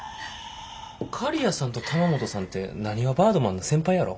刈谷さんと玉本さんってなにわバードマンの先輩やろ？